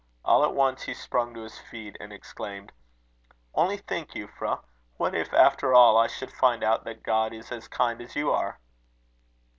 All at once he sprung to his feet, and exclaimed: "Only think, Euphra! What if, after all, I should find out that God is as kind as you are!"